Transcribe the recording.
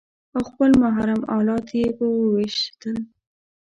او خپل محرم الات يې په وويشتل.